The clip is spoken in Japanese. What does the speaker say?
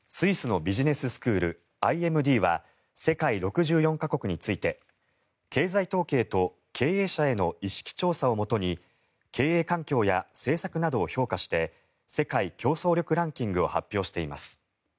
スイスのビジネススクールＩＭＤは世界６４か国について経済統計と経営者への意識調査をもとに経営環境や政策などを評価して世界競争力ランキングを発表しています。